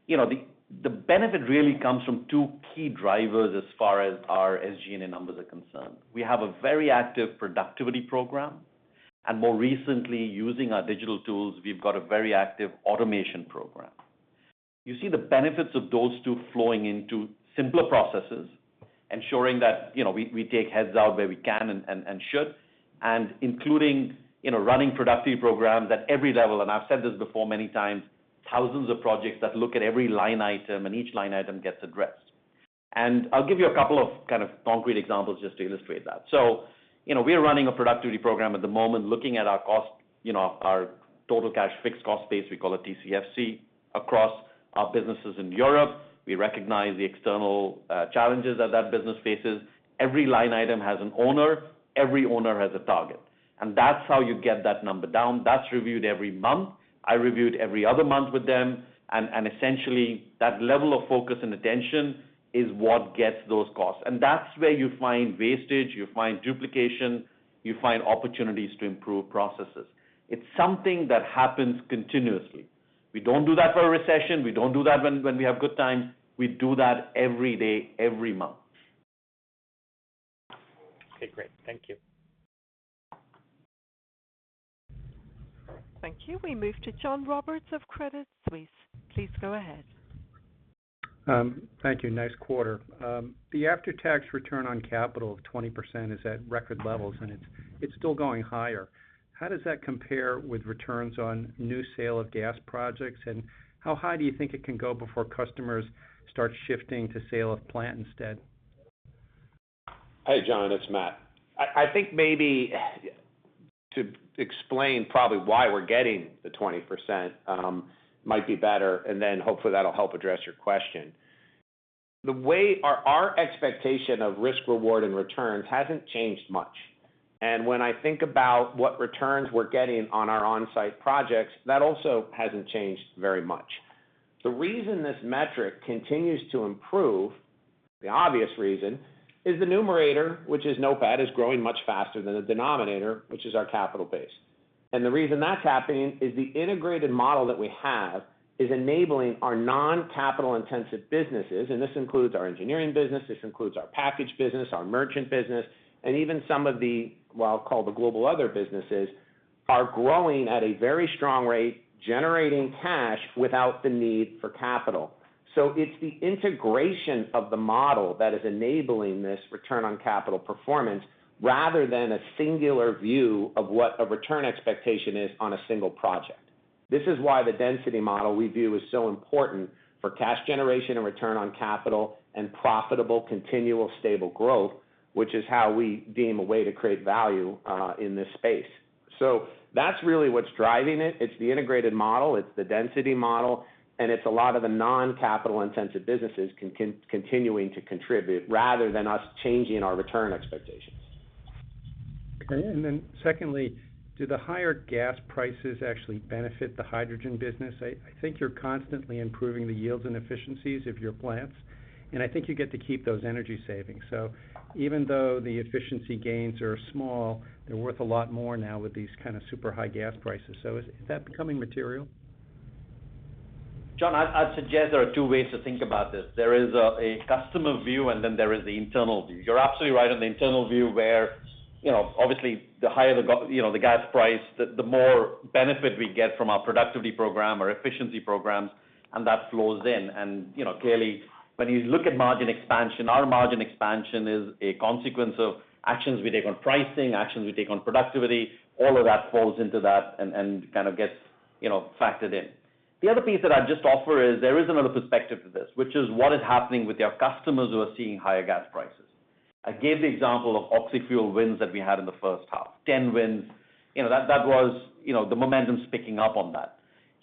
You know, the benefit really comes from two key drivers as far as our SG&A numbers are concerned. We have a very active productivity program, and more recently, using our digital tools, we've got a very active automation program. You see the benefits of those two flowing into simpler processes, ensuring that, you know, we take heads out where we can and should, and including, you know, running productivity programs at every level. I've said this before many times, thousands of projects that look at every line item and each line item gets addressed. I'll give you a couple of kind of concrete examples just to illustrate that. You know, we are running a productivity program at the moment, looking at our cost, you know, our total cash fixed cost base, we call it TCFC, across our businesses in Europe. We recognize the external challenges that that business faces. Every line item has an owner, every owner has a target. That's how you get that number down. That's reviewed every month. I review it every other month with them. Essentially, that level of focus and attention is what gets those costs. That's where you find wastage, you find duplication, you find opportunities to improve processes. It's something that happens continuously. We don't do that for a recession. We don't do that when we have good times. We do that every day, every month. Okay, great. Thank you. Thank you. We move to John Roberts of Credit Suisse. Please go ahead. Thank you. Nice quarter. The after-tax return on capital of 20% is at record levels, and it's still going higher. How does that compare with returns on new sale of gas projects? How high do you think it can go before customers start shifting to sale of plant instead? Hey, John, it's Matt. I think maybe to explain probably why we're getting the 20%, might be better, and then hopefully that'll help address your question. The way our expectation of risk, reward, and returns hasn't changed much. When I think about what returns we're getting on our on-site projects, that also hasn't changed very much. The reason this metric continues to improve, the obvious reason, is the numerator, which is NOPAT, is growing much faster than the denominator, which is our capital base. The reason that's happening is the integrated model that we have is enabling our non-capital intensive businesses, and this includes our engineering business, this includes our package business, our merchant business, and even some of the, well, I'll call the global other businesses. Are growing at a very strong rate, generating cash without the need for capital. It's the integration of the model that is enabling this return on capital performance rather than a singular view of what a return expectation is on a single project. This is why the density model we view is so important for cash generation and return on capital and profitable, continual stable growth, which is how we deem a way to create value, in this space. That's really what's driving it. It's the integrated model, it's the density model, and it's a lot of the non-capital-intensive businesses continuing to contribute rather than us changing our return expectations. Okay. Secondly, do the higher gas prices actually benefit the hydrogen business? I think you're constantly improving the yields and efficiencies of your plants, and I think you get to keep those energy savings. Even though the efficiency gains are small, they're worth a lot more now with these kind of super high gas prices. Is that becoming material? John, I'd suggest there are two ways to think about this. There is a customer view, and then there is the internal view. You're absolutely right on the internal view where, you know, obviously the higher the gas price, the more benefit we get from our productivity program or efficiency programs, and that flows in. You know, clearly, when you look at margin expansion, our margin expansion is a consequence of actions we take on pricing, actions we take on productivity. All of that falls into that and kind of gets, you know, factored in. The other piece that I'd just offer is there is another perspective to this, which is what is happening with our customers who are seeing higher gas prices. I gave the example of Oxyfuel wins that we had in the first half. 10 wins, you know, that was, you know, the momentum's picking up on that.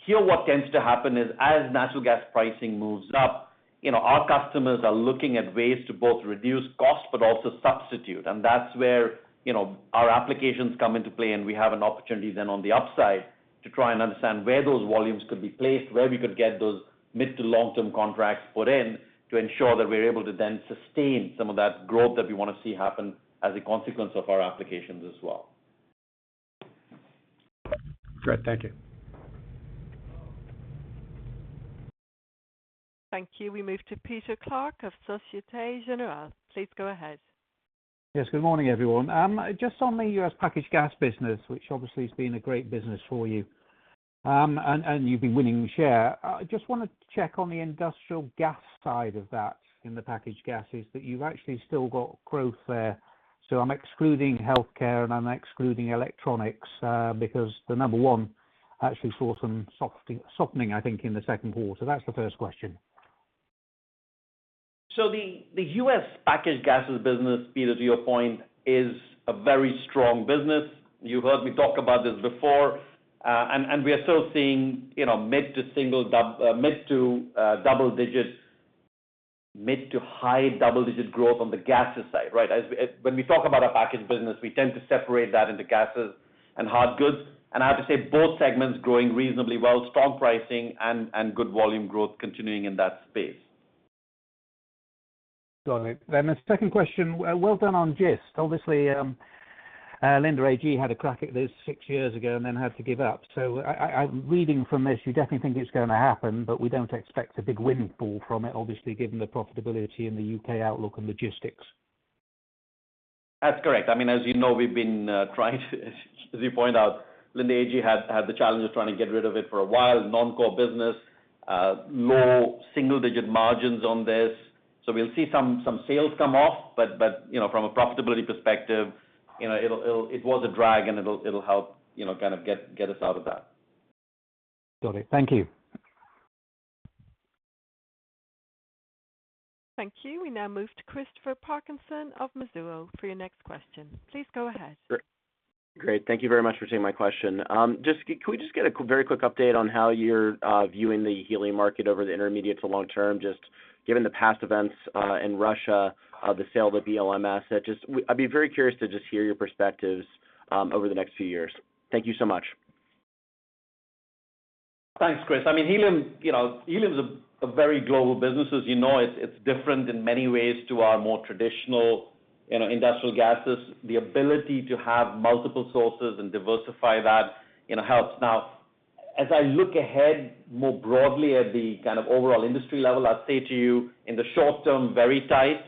Here, what tends to happen is, as natural gas pricing moves up, you know, our customers are looking at ways to both reduce cost but also substitute. That's where, you know, our applications come into play, and we have an opportunity then on the upside to try and understand where those volumes could be placed, where we could get those mid to long-term contracts put in to ensure that we're able to then sustain some of that growth that we wanna see happen as a consequence of our applications as well. Great. Thank you. Thank you. We move to Peter Clark of Société Générale. Please go ahead. Yes, good morning, everyone. Just on the U.S. packaged gas business, which obviously has been a great business for you, and you've been winning share. Just wanted to check on the industrial gas side of that in the packaged gases, that you've actually still got growth there. I'm excluding healthcare, and I'm excluding electronics, because the number one actually saw some softening, I think, in the second quarter. That's the first question. The U.S. packaged gases business, Peter, to your point, is a very strong business. You heard me talk about this before, and we are still seeing, you know, mid to high double-digit growth on the gases side, right? When we talk about our packaged business, we tend to separate that into gases and hard goods. I have to say, both segments growing reasonably well. Strong pricing and good volume growth continuing in that space. Got it. The second question, well done on Gist. Obviously, Linde AG had a crack at this six years ago and then had to give up. I’m reading from this, you definitely think it’s gonna happen, but we don’t expect a big windfall from it, obviously, given the profitability in the U.K. outlook on logistics. That's correct. I mean, as you know, we've been trying, as you point out, Linde AG had the challenges trying to get rid of it for a while, non-core business, low single-digit margins on this. We'll see some sales come off, but you know, from a profitability perspective, you know, it was a drag, and it'll help, you know, kind of get us out of that. Got it. Thank you. Thank you. We now move to Christopher Parkinson of Mizuho for your next question. Please go ahead. Great. Thank you very much for taking my question. Just, could we just get a very quick update on how you're viewing the helium market over the intermediate to long term? Just given the past events in Russia, the sale to BLM. Just, I'd be very curious to just hear your perspectives over the next few years. Thank you so much. Thanks, Chris. I mean, helium, you know, helium's a very global business. As you know, it's different in many ways to our more traditional, you know, industrial gases. The ability to have multiple sources and diversify that, you know, helps. Now, as I look ahead more broadly at the kind of overall industry level, I'd say to you, in the short term, very tight.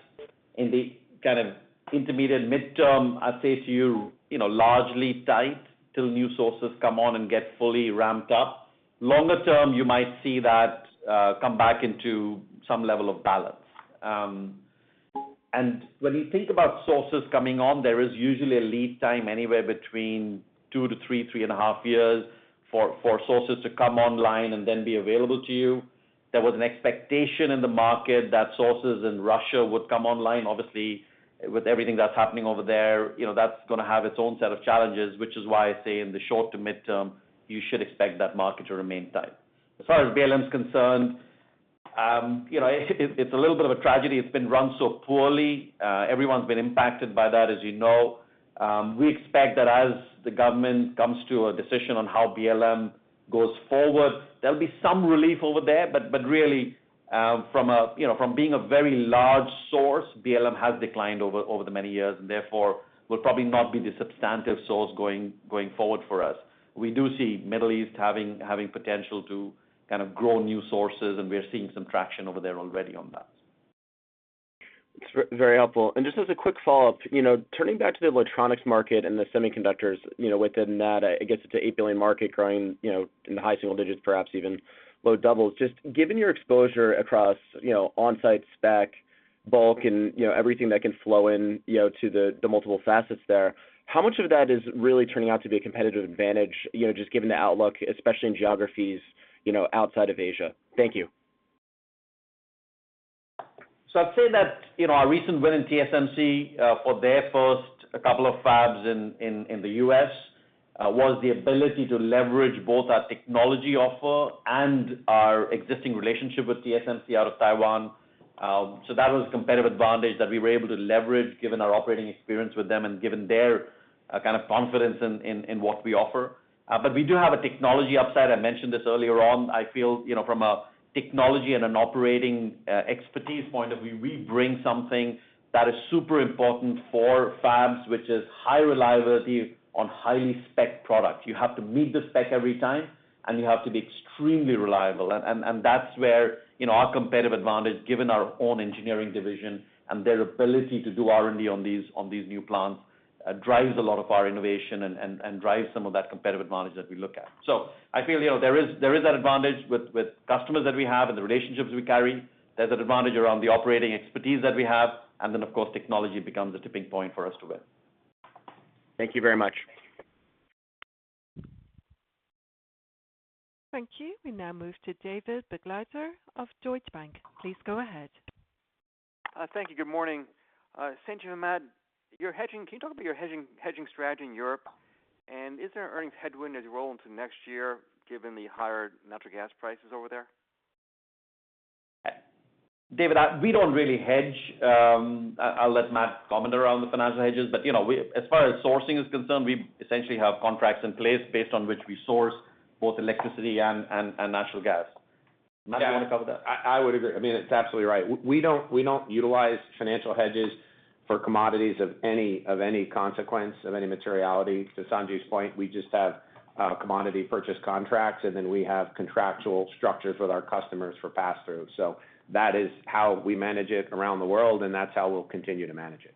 In the kind of intermediate, mid-term, I'd say to you know, largely tight till new sources come on and get fully ramped up. Longer term, you might see that come back into some level of balance. When you think about sources coming on, there is usually a lead time anywhere between two to 3.5 years for sources to come online and then be available to you. There was an expectation in the market that sources in Russia would come online. Obviously, with everything that's happening over there, you know, that's gonna have its own set of challenges, which is why I say in the short to mid-term, you should expect that market to remain tight. As far as BLM is concerned, you know, it's a little bit of a tragedy. It's been run so poorly. Everyone's been impacted by that, as you know. We expect that as the government comes to a decision on how BLM goes forward, there'll be some relief over there. Really, from being a very large source, BLM has declined over the many years, and therefore will probably not be the substantive source going forward for us. We do see Middle East having potential to kind of grow new sources, and we're seeing some traction over there already on that. It's very helpful. Just as a quick follow-up, you know, turning back to the electronics market and the semiconductors, you know, within that, I guess, it's an $8 billion market growing, you know, in the high single digits%, perhaps even low double digits. Just given your exposure across, you know, on-site spec, bulk, and, you know, everything that can flow in, you know, to the multiple facets there, how much of that is really turning out to be a competitive advantage, you know, just given the outlook, especially in geographies, you know, outside of Asia? Thank you. I'd say that, you know, our recent win in TSMC, for their first couple of fabs in the U.S., was the ability to leverage both our technology offer and our existing relationship with TSMC out of Taiwan. That was a competitive advantage that we were able to leverage given our operating experience with them and given their kind of confidence in what we offer. We do have a technology upside. I mentioned this earlier on. I feel, you know, from a technology and an operating expertise point of view, we bring something that is super important for fabs, which is high reliability on highly spec'd products. You have to meet the spec every time, and you have to be extremely reliable. That's where, you know, our competitive advantage, given our own engineering division and their ability to do R&D on these new plants, drives a lot of our innovation and drives some of that competitive advantage that we look at. I feel, you know, there is that advantage with customers that we have and the relationships we carry. There's an advantage around the operating expertise that we have. Then, of course, technology becomes a tipping point for us to win. Thank you very much. Thank you. We now move to David Begleiter of Deutsche Bank. Please go ahead. Thank you. Good morning. Sanjiv, Matt, your hedging, can you talk about your hedging strategy in Europe? Is there an earnings headwind as you roll into next year, given the higher natural gas prices over there? David, we don't really hedge. I'll let Matt comment around the financial hedges. You know, as far as sourcing is concerned, we essentially have contracts in place based on which we source both electricity and natural gas. Matt, do you wanna cover that? Yeah. I would agree. I mean, it's absolutely right. We don't utilize financial hedges for commodities of any consequence, of any materiality. To Sanjiv's point, we just have commodity purchase contracts, and then we have contractual structures with our customers for pass-through. That is how we manage it around the world, and that's how we'll continue to manage it.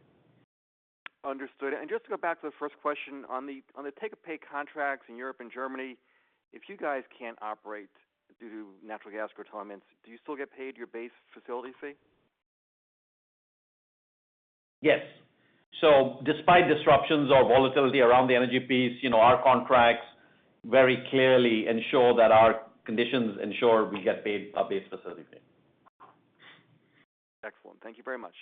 Understood. Just to go back to the first question, on the take-or-pay contracts in Europe and Germany, if you guys can't operate due to natural gas curtailments, do you still get paid your base facility fee? Yes. Despite disruptions or volatility around the energy piece, you know, our contracts very clearly ensure that our conditions ensure we get paid a base facility fee. Excellent. Thank you very much.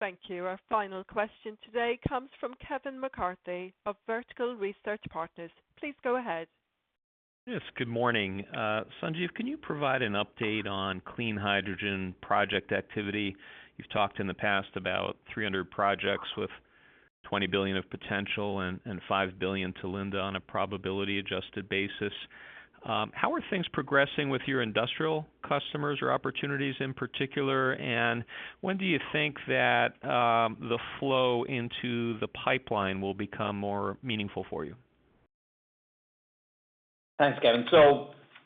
Thank you. Our final question today comes from Kevin McCarthy of Vertical Research Partners. Please go ahead. Yes. Good morning. Sanjiv, can you provide an update on clean hydrogen project activity? You've talked in the past about 300 projects with $20 billion of potential and $5 billion to Linde on a probability-adjusted basis. How are things progressing with your industrial customers or opportunities in particular? When do you think that the flow into the pipeline will become more meaningful for you? Thanks, Kevin.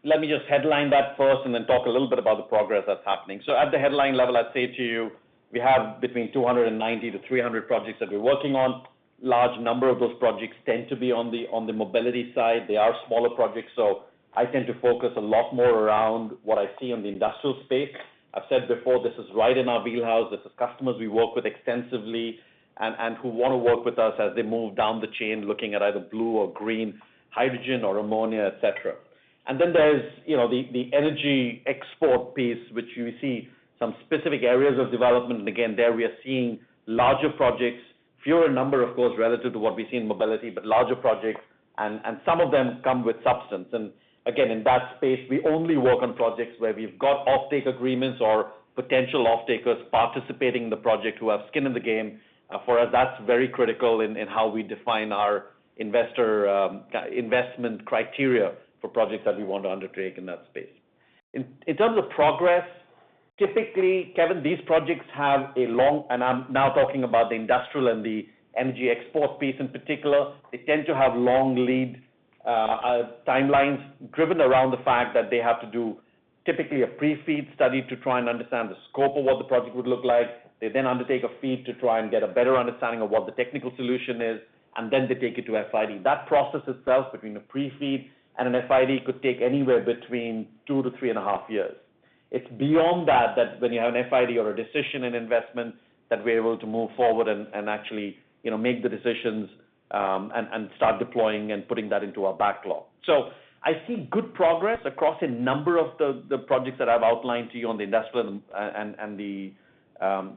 Let me just headline that first and then talk a little bit about the progress that's happening. At the headline level, I'd say to you we have between 290-300 projects that we're working on. Large number of those projects tend to be on the mobility side. They are smaller projects, so I tend to focus a lot more around what I see on the industrial space. I've said before, this is right in our wheelhouse. This is customers we work with extensively and who wanna work with us as they move down the chain, looking at either blue or green hydrogen or ammonia, et cetera. Then there's, you know, the energy export piece, which we see some specific areas of development. Again, there we are seeing larger projects, fewer number, of course, relative to what we see in mobility, but larger projects. Some of them come with substance. Again, in that space, we only work on projects where we've got offtake agreements or potential off-takers participating in the project who have skin in the game. For us, that's very critical in how we define our investment criteria for projects that we want to undertake in that space. In terms of progress, typically, Kevin, these projects have a long and I'm now talking about the industrial and the energy export piece in particular. They tend to have long lead timelines driven around the fact that they have to do typically a pre-FEED study to try and understand the scope of what the project would look like. They then undertake a FEED to try and get a better understanding of what the technical solution is, and then they take it to FID. That process itself between a pre-FEED and an FID could take anywhere between two to 3.5 years. It's beyond that when you have an FID or a decision in investment that we're able to move forward and actually, you know, make the decisions, and start deploying and putting that into our backlog. So I see good progress across a number of the projects that I've outlined to you on the industrial and the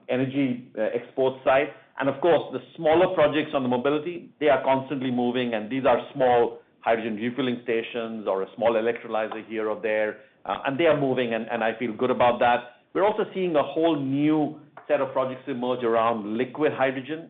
energy export side. Of course, the smaller projects on the mobility, they are constantly moving, and these are small hydrogen refueling stations or a small electrolyzer here or there. They are moving, and I feel good about that. We're also seeing a whole new set of projects emerge around liquid hydrogen.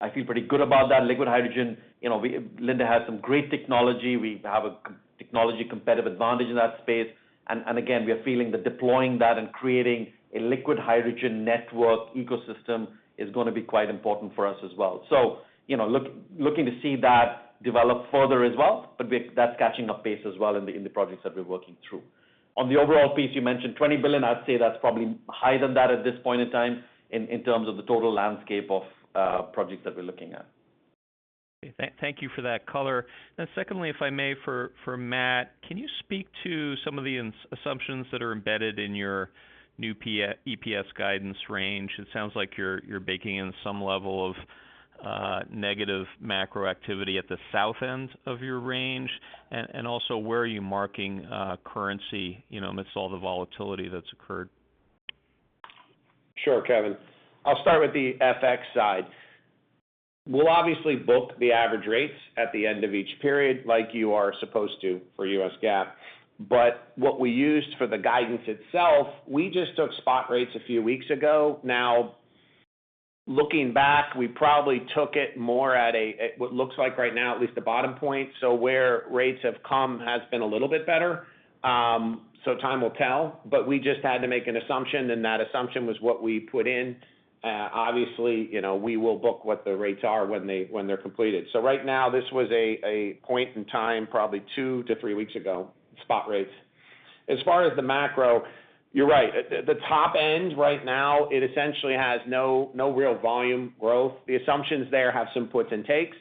I feel pretty good about that. Liquid hydrogen, you know, Linde has some great technology. We have a key technology competitive advantage in that space. And again, we are feeling that deploying that and creating a liquid hydrogen network ecosystem is gonna be quite important for us as well. So, you know, looking to see that develop further as well, but that's picking up pace as well in the projects that we're working through. On the overall piece, you mentioned $20 billion. I'd say that's probably higher than that at this point in time in terms of the total landscape of projects that we're looking at. Thank you for that color. Now secondly, if I may, for Matt, can you speak to some of the assumptions that are embedded in your new EPS guidance range? It sounds like you're baking in some level of negative macro activity at the south end of your range. Also, where are you marking currency, you know, amidst all the volatility that's occurred? Sure, Kevin. I'll start with the FX side. We'll obviously book the average rates at the end of each period, like you are supposed to for U.S. GAAP. What we used for the guidance itself, we just took spot rates a few weeks ago. Looking back, we probably took it more at what looks like right now, at least the bottom point. Where rates have come has been a little bit better. Time will tell, but we just had to make an assumption, and that assumption was what we put in. Obviously, you know, we will book what the rates are when they're completed. Right now, this was a point in time, probably two to three weeks ago, spot rates. As far as the macro, you're right. The top end right now it essentially has no real volume growth. The assumptions there have some puts and takes.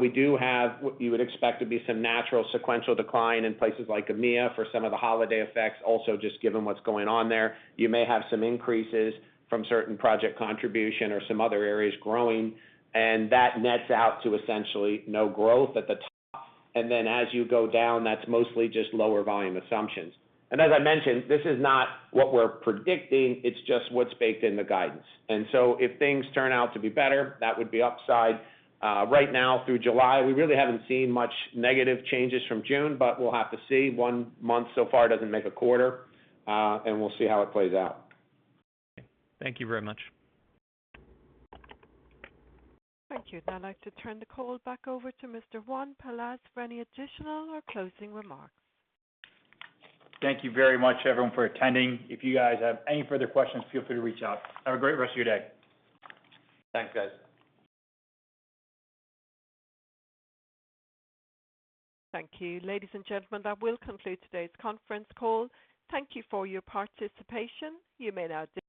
We do have what you would expect to be some natural sequential decline in places like EMEA for some of the holiday effects. Also, just given what's going on there, you may have some increases from certain project contribution or some other areas growing, and that nets out to essentially no growth at the top. As you go down, that's mostly just lower volume assumptions. As I mentioned, this is not what we're predicting, it's just what's baked in the guidance. If things turn out to be better, that would be upside. Right now through July, we really haven't seen much negative changes from June, but we'll have to see. One month so far doesn't make a quarter, and we'll see how it plays out. Thank you very much. Thank you. I'd like to turn the call back over to Mr. Juan Peláez for any additional or closing remarks. Thank you very much, everyone, for attending. If you guys have any further questions, feel free to reach out. Have a great rest of your day. Thanks, guys. Thank you. Ladies and gentlemen, that will conclude today's conference call. Thank you for your participation. You may now disconnect.